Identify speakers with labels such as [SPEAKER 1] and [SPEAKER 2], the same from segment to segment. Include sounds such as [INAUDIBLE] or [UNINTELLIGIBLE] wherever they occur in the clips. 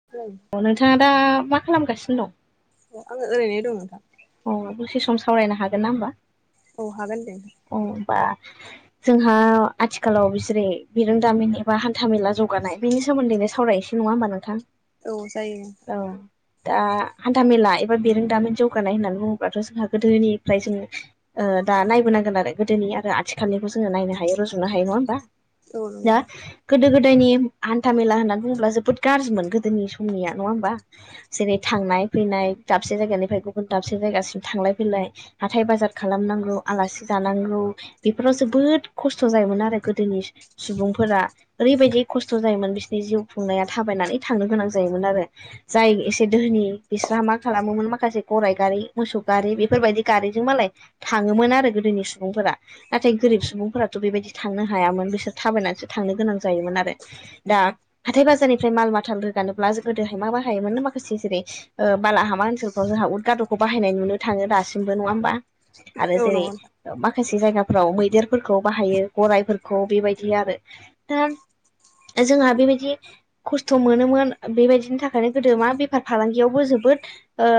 [SPEAKER 1] [UNINTELLIGIBLE]
[SPEAKER 2] औ नोंथाङा दा मा खालामगासिनो दं
[SPEAKER 1] आङो ओरैनो दं नोंथां
[SPEAKER 2] अ दसे सम सावरायनो हागोनना होमबा
[SPEAKER 1] औ हागोन दे
[SPEAKER 2] अ बा जोंहा आथिखालाव बिसोरै बिरोंदामिन एबा हान्था मेला जौगानाय बेनि सोमोन्दैनो सावरायनोसै नङा होमबा नोंथां
[SPEAKER 1] औ जायो
[SPEAKER 2] औ दा हान्थामेला एबा बेरोंदामिन जौगानाय होननानै बुङोब्लाथ' जोंहा गोदोनिफ्राय जों दा नायबोनां गोन आरो गोदोनि आरो आथिखालनिखौ जोङो नायनो हायो रुजुनो हायो नङा होमबा दा गोदो गोदायनि हान्था मेला होननानै बुङोब्ला जोबोद गाज्रिमोन गोदोनि समनिया नङा होमबा जेरै थांनाय फैनाय दाबसे जायगानिफ्राय गुबुन दाबसे जायगासिम थांलाय फैलाय हाथाय बाजार खालामनांगौ आलासि जानांगौ बेफोराव जोबोद खस्थ' जायोमोन आरो गोदोनि सुबुंफोरा ओरैबायदि खस्थ' जायोमोन बिसिनि जिउ खुंनाया थाबायनानै थांनो गोनां जायोमोन आरो जाय एसे दोहोनि बिसोरहा मा खालामोमोन माखासे गराइ गारि मोसौ गारि बेफोरबायदि गारिजों मालाय थाङोमोन आरो गोदोनि सुबुंफोरा नाथाय गोरिब सुबुंफोराथ' बेबायदि थांनो हायामोन बिसोर थाबायनानैसो थांनो गोनां जायोमोन आरो दा हाथाय बाजारनिफ्राय माल माथाल रोगानोब्ला जों गोदोहाय मा बाहायोमोन माखासे जेरै बालाहामा ओनसोलफ्राव जोंहा उदगाद'खौ बाहायनाय नुनो थाङो दासिमबो नङा होमबा? आरो
[SPEAKER 1] औ
[SPEAKER 2] जेरै
[SPEAKER 1] नंगौ औ नंगौ
[SPEAKER 2] माखासे जायगाफ्राव मैदेरफोरखौ बाहायो गराइफोरखौ बेबायदि आरो दा जोंहा बेबायदि खस्थ' मोनोमोन बेबायदिनि थाखायनो गोदो मा बेफार फालांगियावबो जोबोद ओ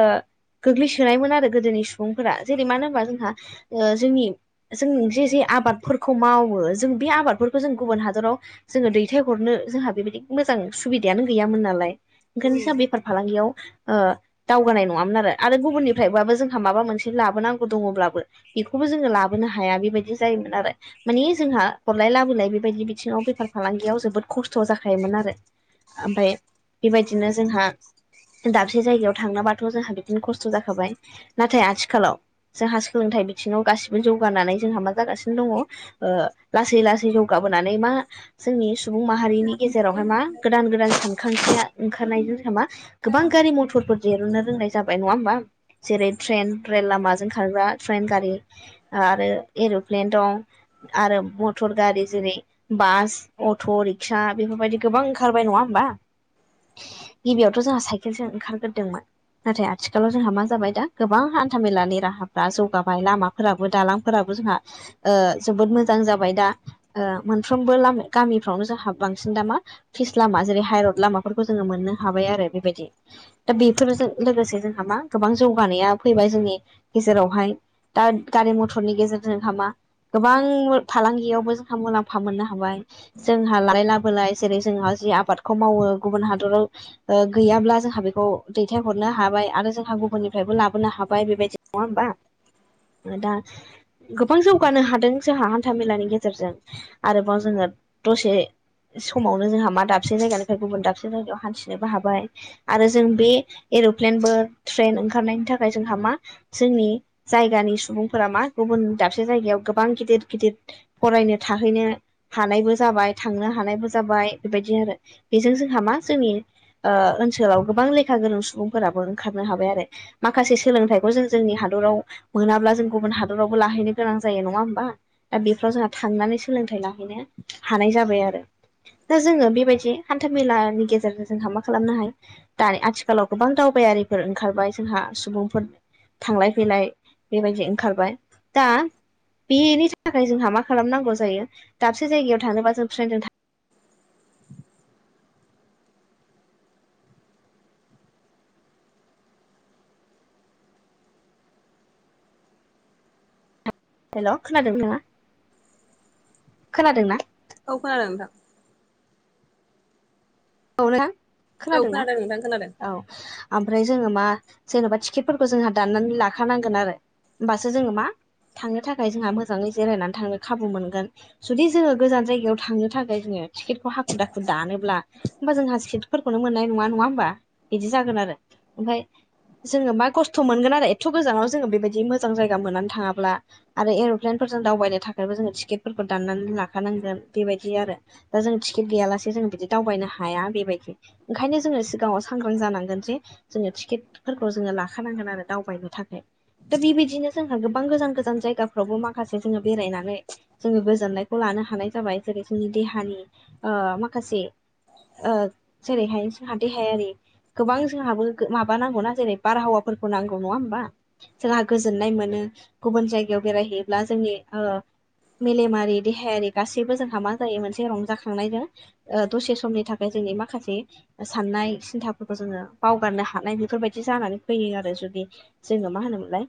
[SPEAKER 2] गोग्लैसोनायमोन आरो गोदोनि सुबुंफोरा जेरै मानो होनबा जोंहा ओ जोंनि जों जे जे आबादफोरखौ मावो जों बे आबादफोरखौ जों गुबुन हादराव जोङो दैथायहरनो जोंहा बेबायदि मोजां सुबिदायानो गैयामोन नालाय ओंखायनो जोंहा
[SPEAKER 1] नोंथां
[SPEAKER 2] बेफार फालांगियाव दावगानाय नङामोन आरो आरो गुबुननिफ्रायबाबो जोंहा माबा मोनसे लाबोनांगौ दङब्लाबो बेखौ बो जोङो लाबोनो हाया बेबायदि जायोमोन आरो मानि जोंहा हरलाय लाबोलाय बेबायदि बिथिङाव बेफार फालांगियाव जोबोद खस्थ' जाखायोमोन आरो। ओमफ्राय बेबायदिनो जोंहा दाबसे जायगायाव थांनाबाथ' जोंहा बिदिनो खस्थ' जाखाबाय नाथाय आथिखालाव जोंहा सोलोंथाइ बि बिथिङाव गासिबो जौगानानै जोंहा मा जागासिनो दङ लासै लासै जौगाबोनानै मा जोंनि सुबुं माहारिनि गेजेरावहाय मा गोदान गोदान सानखांथिया ओंखारनायजों जोंहा मा गोबां गारि मथरफोर दहुननो रोंनाय जाबाय नङा होमबा? जेरै ट्रेन रेल लामाजों खारग्रा ट्रेन गारि आरो एर'प्लेन दं आरो मथर गारि जेरै बास अट' रिक्सा बेफोरबायदि गोबां ओंखारबाय नङा होमबा? गिबियावथ' जोंहा साइकेलसो ओंखारग्रोदोंमोन। नाथाय आथिखालाव जोंहा मा जाबाय दा गोबां हान्थामेलानि राहाफ्रा जौगा बाय लामाफोराबो दालांफोराबो जोंहा जोबोद मोजां जाबाय दा। ओ मोनफ्रोमबो लाम गामिफ्रावनो जोंहा बांसिन दामा फिस लामा जेरै हाइरड लामाफोरखौ जोङो मोननो हाबाय आरो बेबायदि दा बेफोरजों लोगोसे जोंहा मा गोबां जौगानाया फैबाय जोंनि गेजेरावहाय दा गारि मथरनि गेजेरजों हामा गोबां फालांगियावबो जोंहा मुलाम्फा मोननो हाबाय जोंहा लालाय लाबोलाय जेरै जोंहा जि आबादखौ मावो गुबुन हादराव गैयाब्ला जोंहा बेखौ दैथायहरनो हाबाय आरो जोंहा गुबुननिफ्रायबो लाबोनो हाबाय बेबायदि नङा होमबा? आदा गोबां जौगानो हादों जोंहा हान्था मेलानि गेजेरजों आरोबाव जोङो दसे समावनो जोंहा मा दाबसे जायगानिफ्राय गुबुन दाबसे जायगायाव हान्थिनोबो हाबाय आरो जों बे एर'प्लेनबो ट्रेन ओंखारनायनि थाखाय जोंहा मा जोंनि जायगानि सुबुंफोरा मा गुबुन दाबसे जायगायाव गोबां गिदिर गिदिर फरायनो थाहैनो हानायबो जाबाय थांनो हानायबो जाबाय बेबायदि आरो बेजों जोंहा मा जोंनि ओनसोलाव गोबां लेखा गोरों सुबुंफोराबो ओंखारनो हाबाय आरो माखासे सोलोंथाइखौ जों जोंनि हादराव मोनाब्ला जों गुबुन हादरावबो लाहैनो गोनां जायो नङा होमबा दा बेफ्राव जोंहा थांनानै सोलोंथाइ ला नो हानाय जाबाय आरो दा जोङो बेबायदि हान्था मेलानि गेजेरजों जोंहा मा खालामनो हायो दानि आथिखालाव गोबां दावबायारि फोर ओंखारबाय जोंहा सुबुंफोर थांलाय फैलाय बेबायदि ओंखारबाय दा बेनि थाखाय जोंहा मा खालामनांगौ जायो दाबसे जायगायाव थानोबा जों फ्रेनजों हेल' खोनादों नङा खोनादों ना?
[SPEAKER 1] औ खोनादों नोंथां।
[SPEAKER 2] औ ना
[SPEAKER 1] औ
[SPEAKER 2] खोनादोंना
[SPEAKER 1] खोनादों नोंथां खोनादों
[SPEAKER 2] औ। ओमफ्राय जोङो मा जेन'बा टिकेटफोरखौ जोंहा दाननानै लाखानांगोन आरो होमबासो जोङो मा थांनो थाखाय जोंहा मोजाङै जिरायनानै थांनो खाबु मोनगोन जुदि जोङो गोजान जायगायाव थांनो थाखाय जोङो टिकेटखौ हाखु दाखु दानोब्ला ओमबा जोंहा सिटफोरखौनो मोननाय नङा नङा होमबा? बिदि जागोन आरो ओमफाय जोङो मा खस्थ' मोनगोन आरो एथ' गोजानाव जोङो बेबायदि मोजां जायगा मोननानै थाङाब्ला आरो एर'प्लेनफोरजों दावबायनो थाखायबो जोङो टिकेटफोरखौ दाननानै लाखानांगोन बेबायदि आरो दा जों टिकेट गैयालासे जों बिदि दावबायनो हाया बेबायदि ओंखायनो जोङो सिगाङाव सांग्रां जानांगोन जे जोङो टिकेटफोरखौ जोङो लाखानांगोन आरो दावबायनो थाखाय दा बेबायदिनो जोंहा गोबां गोजान गोजान जायगाफ्रावबो माखासे जोङो बेरायनानै जोङो गोजोननायखौ लानो हानाय जाबाय जेरै जोंनि देहानि ओ माखासे ओ जेरैहाय जोंहा देहायारि गोबां जोंहाबो माबा नांगौना जेरै बारहावाफोरखौ नांगौ नङा होमबा जोंहा गोजोननाय मोनो गुबुन जायगायाव बेरायहैयोब्ला जोंनि ओ मेलेमारि देहायारि गासैबो जोंहा मा जायो मोनसे रंजाखांनायजों ओ दसे समनि थाखाय ओमफ्राय जोंनि माखासे साननाय सिन्थाफोरखौ जोङो बावगारनो हानाय बेफोरबायदि जानानै फैयो आरो जुदि जोङो मा होनोमोनलाय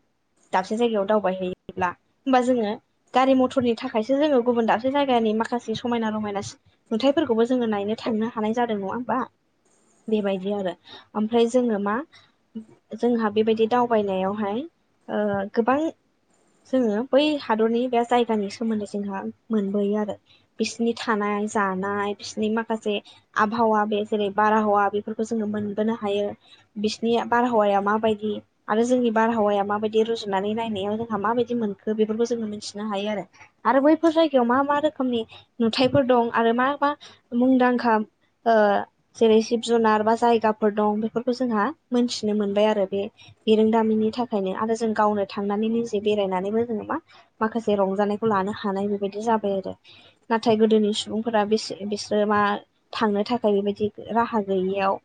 [SPEAKER 2] दाबसे जायगायाव दावबायहैयोब्ला होमबा जोङो गारि मथरनि थाखायसो जोङो गुबुन दाबसे जायगानि माखासे समायना रमायना सिन नुथाइफोरखौबो जोङो नायनो थांनो हानाय जादों नङा होमबा? बेबायदि आरो ओमफ्राय जोङो मा जोंहा बेबायदि दावबायनायावहाय ओ गोबां जोङो बै हादरनि बे जायगानि सोमोन्दै जोंहा मोनबोयो आरो बिसनि थानाय जानाय बिसनि माखासे आबहावा बे जेरै बारहावा बेफोरखौ जोङो मोनबोनो हायो बिसिनि बारहावाया माबायदि आरो जोंनि बारहावाया माबायदि रुजुनानै नायनायाव जोंहा माबायदि मोनखो बेफोरखौ जोङो मोनथिनो हायो आरो आरो बैफोर जायगायाव मा मा रोखोमनि नुथायाइफोर दं आरो मा मा मुंदांखा? ओ जेरै जिब जुनार बा जायगाफोर दं बेफोरखौ जोंहा मोनथिनो मोनबाय आरो बे बिरोंदामिनि थाखायनो आरो जों गावनो थांनानै निजे बेरायनानैबो जोङो मा? माखासे रंजानायखौ लानो हानाय बेबायदि जाबाय आरो नाथाय गोदोनि सुबुंफोरा बेस -बिसोरो मा थांनो थाखाय बेबायदि राहा गैयियाव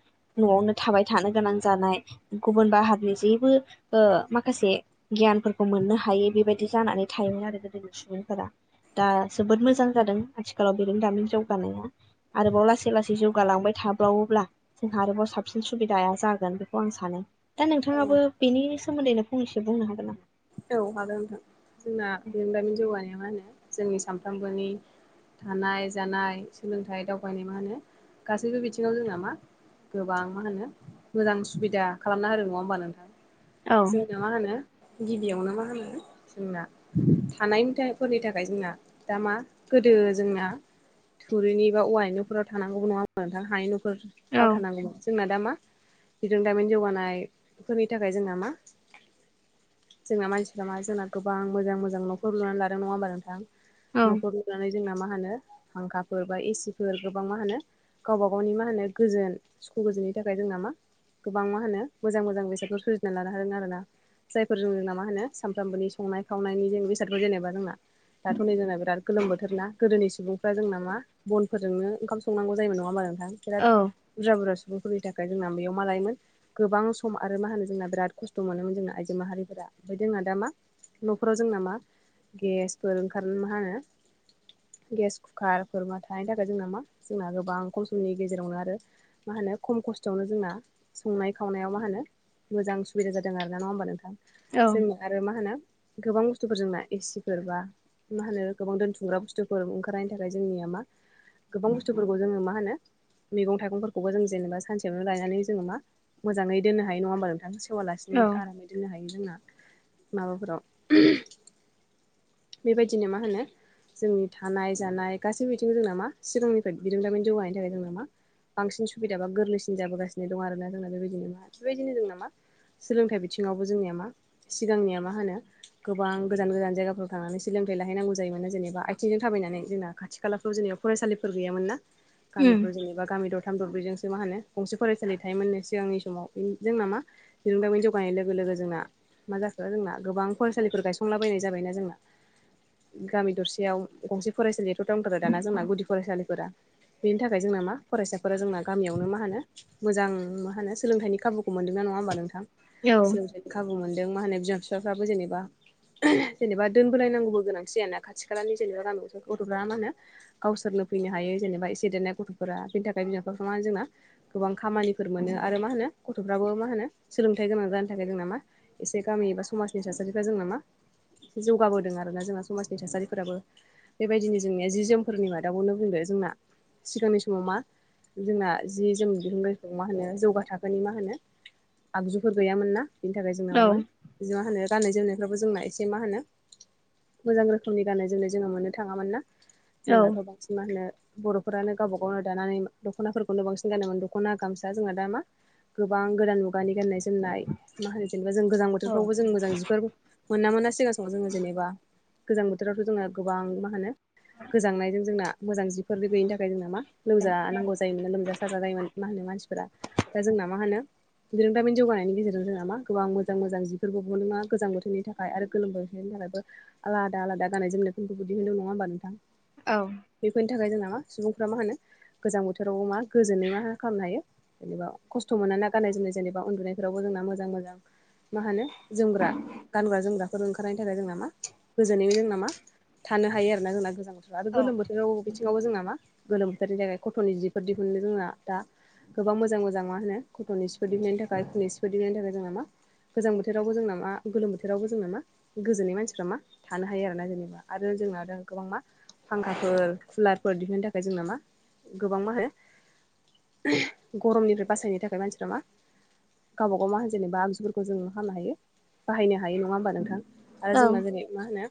[SPEAKER 2] न'आवनो थाबाय थानो गोनां जानाय गुबुन बाहागनि जेबो ओ माखासे गियानफोरखौ मोननो हायै बेबायदि जानानै थायोमोन आरो गोदोनि सुबुंफोरा दा जोबोद मोजां जादों आथिखालाव बिरों दामिन जौगानाया आरोबाव ला लासै लासै जौगालांबाय थाब्लावोब्ला जोंहा आरोबाव साबसिन सुबिदाया जागोन बेखौ आं सानो दा नोंथाङाबो बेनि सोमोन्दैनो फंनैसो बुंनो हागोन नामा?
[SPEAKER 1] औ हागोन नोंथां जोंना बेदामिन जौगानाया मा होनो जोंनि सामफ्रामबोनि थानाय जानाय सोलोंथाइ दावबायनाय मा होनो गासैबो बिथिङाव जोंना मा गोबां मा होनो मोजां सुबिदा खालामना होदों नङा होमबा नोंथां
[SPEAKER 2] औ
[SPEAKER 1] जोंनो मा होनो गिबियावनो मा होनो जोंना थानायनि फोरनि थाखाय जोंना दा मा गोदो जोंना थुरिनि बा औवायनिफोराव थानांगौ नङामोन नोंथां हानि न' फोर
[SPEAKER 2] औ
[SPEAKER 1] दाव थानांगौ जोंना दा मा दिरोंदामिन जौगानायफोरनि थाखाय जोंना मा? जोंना मानसिफोरा मा जोंना गोबां मोजां मोजां न'खर लुनानै लादों नङा होमबा नोंथां
[SPEAKER 2] औ
[SPEAKER 1] न'खर लुनानै जोंना मा होनो फांखाफोर बा एसिफोर गोबां मा होनो गावबा गावनि मा होनो गोजोन सुखु गोजोननि थाखाय जों नामा गोबां मा होनो मोजां मोजां बेसादफोर सोरजिना लानो हादों आरो ना फोरजों जोंना मा होनो सानफ्रामबोनि संनाय खावनायनि जों बेसादफोर जेनेबा जोंना दाथ' नै जोंना बिराद गोलोम बोथोर ना गोदोनि सुबुं जोंना नामा बनफोरजोंनो ओंखाम संनांग जायोमोन नङा होनोमा नोंथां बिराद
[SPEAKER 2] औ
[SPEAKER 1] बुरजा बुरजा सुबुंफोरनि थाखाय जोंना बेयाव मा लायोमोन। गोबां सम आरो मा होनो जोंना बिराद खस्थ' मोनोमोन जोंना आइजो माहारि। फोर ओमफ्राय जोंहा दा मा न'फोराव जोंना मा गेसफोर ओंखारनो मा होनो। गेस कुकारफोर मा थानायनि थाखाय जोंना मा जोंना गोबां खम समनि गेजेरावनो आरो। मा होनो खम खस्थ'आवनो जोंना संनाय खावनायाव मा होनो। मोजां सुबिदा जादों आरो नङा होनबा नोंथां
[SPEAKER 2] औ
[SPEAKER 1] जोंना आरो मा होनो गोबां बुस्थुफोर जोंना एसिफोर बा।। मा होनो गोबां दोनथुमग्रा बुस्थुफोर ओंखारनायनि थाखाय जोंनिया मा। गोबां बुस्थुफोरखौ जोङो मा होनो। मैं थाइगंफोरखौबो जों जेनबा सानसेयावनो लायनानै जोङ मोजाङै दोननो हायो नङा होनबा नोंथांखौ।
[SPEAKER 2] औ
[SPEAKER 1] हेवालासिनो आरामै दोननो हायो जोंहा माबाफोराव। बेबायदिनो मा होनो जोंनि थानाय जानाय गासैबो बिथिं जों नामा सिगांनिफ्राय बिरुंदामिन जौगानायनि थाखाय जों नामा बांसिन सुबिदा बा गोरलैसिन जाबोगासिनो दं आर ना जोंना बेबायदिनो मा बेबायदिनो जों नामा। सोलोंथाइ बिथिङावबो जोंनिया मा सिगांनिया मा होनो। गोबां गोजान गोजान जायगाफोराव थांनानै सोलोंथाइ लाहैनांगौ जायोमोनो जेनेबा आथिंजों थाबायनानै जोंना खाथि‌। खाथि खालाफ्राव जेनेबा फरायसालिफोर गैयोन ना
[SPEAKER 2] उम
[SPEAKER 1] गामिफ्राव जेनेबा। गामि दरथाम दरब्रैजोंसो मा होनो गंसे फरायसालि थायोमोननो सिगांनि समाव जोंना मा। बििरुंदामि जगानाय लोगो लोगो जोंना मा जाखो जोंना गोबां फरायसालिफोर गायसंलाबायनाय जाबायना जोंना। गामि दरसेयाव गंसे फरायसालियाथ' दंदारो दाना जोंना गुदि फरायसालिफोरा बेनि थाखाय जोंना मा फरायसाफोरा जोंना गामियावनो मा होनो। मोजां मा होनो सोलोंथाइनि खाबुखौ मोनदोंना नङा होमबा नोंथां
[SPEAKER 2] औ
[SPEAKER 1] सोलोंथाइनि खाबु मोनदों। मा होनो बिमा बिफाफ्राबो जेनेबा जेनेबा दोनबोोलायनांगौबो गोनांथि जाना खाथि खालानि जेनेबा गामियाव गथ'फ्रा मा होनो? गावसोरनो फैनो हायो जेनेबा एसे देरनाय गथ'फोरा बेनि थाखाय बिमा बिफ मानो जोंना। गोबां खामानिफोर मोनो आरो मा होनो गथ'फ्राबो मा होनो सोलोंथाइ गोनां जानो थाखाय जोंना मा। एसे गामि एबा समाजनि थासारिफ्रा जोंना मा एसे जौगाबोदों आर ना जोंना समाजनि थासारिफोराबो। बेबायदिनो जोंनिया जि जोमफोरनि मादाबावनो बुंदो जोंना सिगांनि समाव मा। जोंना जि जोम दिहुनगाइखौ मा होनो जौगा थाखोनि मा होनो। आगजुफोर गैयामोन नना बिनि थाखाय जों
[SPEAKER 2] औ
[SPEAKER 1] नामामोन। बिदि मा होनो गाननाय जोमनायफ्रावो जोंना एसे मा होनो मोजां रोखोमनि गाननाय जोमनाय जोङो मोननो थाङामोन ना जोंनाथ' बांसिन मा होनो। बर'फोरानो गावबा गावनो दानानै दख'नाफोरखौनो बांसिन गानोमोन दख'ना गामसा जोंना दा मा? गोबां गोदान मुगानि गाननाय जोमनाय मा होनो जेनेबा जों गोजां बोथोरफ्रावबो जों मोजां जिफोर मोना मोना सिगां समाव जोङो जेनेबा गोजां बोथोरावथ' जोङो गोबां मा होनो। गोजांनायजों जोंना मोजां जिफोर गैयिनि थाखाय जोंना मा लोमजानांगौ जायोमोना लोमजासि। ाजा जायोमोन मा होनो मानसिफोरा दा जोंना मा होनो बिरोंद्रामिन जौगानायनि गेजेरजों जोंना मा होन गोबां मोजां मोजां जिफोरबो बनोङा गोजां बोथोरनि थाखाय आरो गोलोम बोथोरनि थाखायबो। आलादा आलादा गाननाय जोमनायफोरखौ बिदि होनदों नङा होमबा नोंथां?
[SPEAKER 2] औ।
[SPEAKER 1] बेफोरनि थाखाय जोंना मा सुबुंफ्रा मा होनो गोजां बोथोराव मा गोजोनै मा खालामनो हायो। जेनेा खस्थ' मोन ना गाननाय जोमनाय जेनेबा उन्दुनायफ्राव जोंना मोजां मोजां। मा होनो जोमग्रा गानग्रा जोमग्रा। ओंखारनायनि थाखाय जोंना नामा गोजोनैबो जों नामा थानो हायो आरो ना जोंना गोजां बोथोराव आरो गोलोम बोथोर। राव बिथिङावबो जोंना मा गोलोम बोथोरनि जाय खथ'नि जिफोर दिहुनो जोंना दा गोबां मोजां मोजां मा होनो गथ'नि सु दिंनायनि थाखाय खुनि स्फद दिन्नायनि थाखाय जोंना मा गोजां बोथोरावबो जों नामा गोलोम बोथोरावबो जों ना मा गोजोननाय मानसिफ्रा मा थानो हायो आरोोना जेनेबा आरो जोंना दा गोबां मा। फांखाफोर कुलारफोर दिहुननो थाखाय जोंना मा गोबां मा होनो गरमनिफ्राय बासायनो थाखाय मानसिफ्रा मा गावबाागाव मा होनो जेनेबा आगजुफोरखौ जों खालामनो हायो बाहायनो हायो नङा होमबा नोंथां
[SPEAKER 2] औ
[SPEAKER 1] आरो जोंना जेरै मा होनो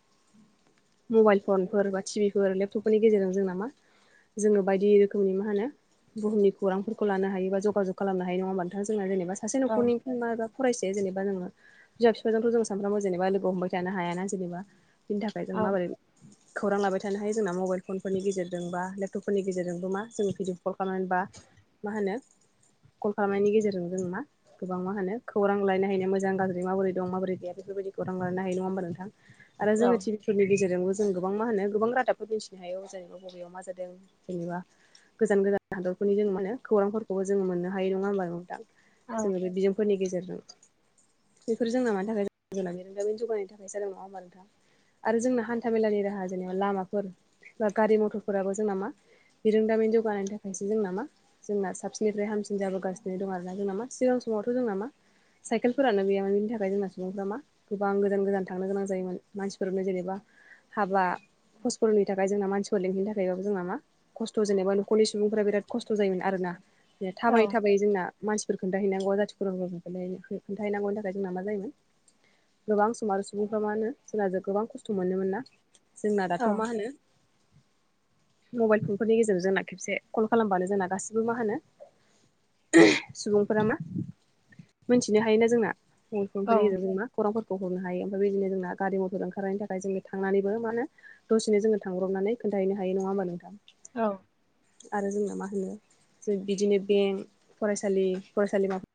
[SPEAKER 1] मबाइल फनफोर बा टिभिफोर लेपटपफोरनि गेजेरजों जोंना मा जोङो बायदि रोखोमनि मा होनो बुहुमनि खौरांफोरखौ लानो हायो बा जगाजग खालामनो हायो नङा होमबा नोंथां जों जेनेबा
[SPEAKER 2] औ
[SPEAKER 1] नखरनिफ्राय मा एबा फरायसा जेनेबा जोङो बिमा बिफाजोंथ' जों सानफ्रामबो जेनेबा लोगो हमबाय थानो हायाा जेनेबा बिनि थाखाय जों
[SPEAKER 2] औ
[SPEAKER 1] माबोरै खौरां लाबाय थानो हायो जोंना मबाइल फनफोरनि गेजेरजों बा लेपटपफोरनि गेजेरजोंबो मा जोङो भिडिअ कल खालामनानै बा मा होनो कल खालामनायनि गेजेरजों जों मा गोबां मा होनो खौरां रांलायनो हायो मोज गाज्रि मोरैं मोरै बेफोरबायदिखौ रलायनो हायो नङा होमबा नोंथां
[SPEAKER 2] औ
[SPEAKER 1] जोङो टि बि फोरनि गेजेरजोंबो जों गोबां मा होनो गोबां रादाबफोर मिथिनो हायो जेनेबा बबेयाव मा जादों जेनेबा गोजान गोजान हादरफोरनि जों माने खौरांफोरखौबो जोङो मोननो हाय नङा होनोमबा नोंथां? जोङो बे बिजोंफोरनि गेजेरजों बेफोर जोंना मानि थाखाय बे नोंथाबिनि जौगानाय थाखाय जादों नङा होमबा नोंथां? आरो जोंना हान्था मेलानि राहा जेनेबा लामाफोर बा गारि मथरफोराबो जोंना मा बिरोंदामि जौगानायनि थाखायसो जों नामा? जोंना साबसिननिफ्राय हामसिन जाबोगासिनो दं आरो ना जोंनाामा सिगां समावथ' जोंना मा साइकेलफोरानो गैयोन बेनि थाखाय जोंना सुबुंफ्रा मा गोबां गोजान गोजान थांनो गोनां जायोमोन मानसिफोरनो जेनेबा हाबा भसपरनि थाखाय जोंना मानसिफोर लिहैनो थाखायब जोंना मा खस्थ' जेनेबा न'खरनि सुबुंफोरा बिराद खस्थ' जायोमोन आरोना। बे थाबायै
[SPEAKER 2] औ
[SPEAKER 1] थाबायै जोंना मानसिफोर खोन्थाहैनांगौ जाथिफोरमफोरखौ खोनथाहैनांगौनि थाखाय जोंना मा जायोमोन। गोबां सम आरो सुबुंफ्रा मा होनो जोंना ज गोबां खस्थ' मोनोमोन ना। जोंना दाथ'
[SPEAKER 2] औ
[SPEAKER 1] मा होनो मबाइल फनफोरनि गेजेरजों जोंना खेबसे कल खालामबानो जोंना गासिबो मा होनो सुबुंफोरा मा मोनथिनो हायोना जोंना मबाइल फनफोरनि गेजेरजों मा खौरांफोरखौ हरनो हायो ओमफ्राय बिदिनो जोंना गारि मथर ओंखारनायनि थाखाय जों बे थांनानैबो मा नो दसेनो जोङो थांब्रनानै खोन्थाहैनो हायो नङा होमबा नोंथां?
[SPEAKER 2] औ
[SPEAKER 1] आरो जोंना मा होनो जों बिदिनो बेंक फरायसालि फरायसालिमाफोर